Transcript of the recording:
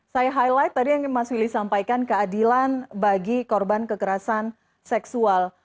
saya highlight tadi yang mas willy sampaikan keadilan bagi korban kekerasan seksual